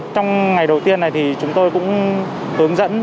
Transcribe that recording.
trong ngày đầu tiên này thì chúng tôi cũng hướng dẫn